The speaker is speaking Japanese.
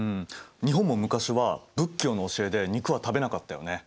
日本も昔は仏教の教えで肉は食べなかったよね。